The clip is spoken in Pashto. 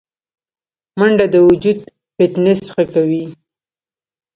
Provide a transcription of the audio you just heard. منډه د وجود فټنس ښه کوي